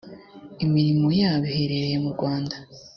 imirimo yabo iherereye mu rwanda